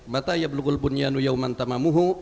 bata yablu gulbunyanu yauman tamamuhu